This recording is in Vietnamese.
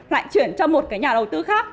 lại chuyển cho một nhà đầu tư khác